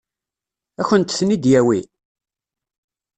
Ad kent-ten-id-yawi?